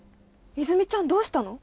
泉水ちゃんどうしたの？